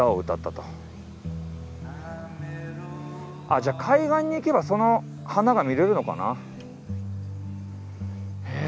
あじゃあ海岸に行けばその花が見れるのかな？へ